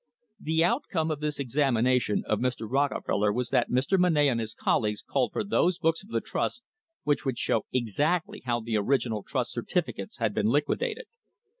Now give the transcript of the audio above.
The outcome of this examination of Mr. Rockefeller was that Mr. Monnett and his colleagues called for those books of the trust which would show exactly how the original trust certificates had been liquidated.